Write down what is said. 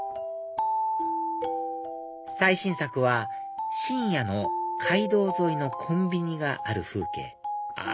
最新作は深夜の街道沿いのコンビニがある風景あ！